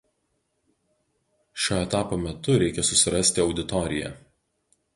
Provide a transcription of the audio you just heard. Šio etapo metu reikia susirasti „auditoriją“.